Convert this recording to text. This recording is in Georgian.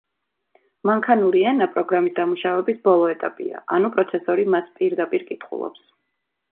მანქანური ენა პროგრამის დამუშავების ბოლო ეტაპია, ანუ პროცესორი მას პირდაპირ კითხულობს.